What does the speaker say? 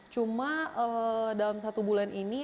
cuma dalam satu bulan ini